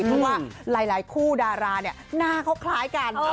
เพราะว่าหลายคู่ดาราเนี่ยหน้าเขาคล้ายกัน